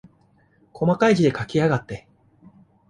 こまかい字で書きやがって。